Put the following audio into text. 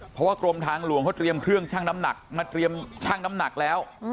เพราะว่ากรมทางหลวงเขาเตรียมเครื่องชั่งน้ำหนักมาเตรียมชั่งน้ำหนักแล้ว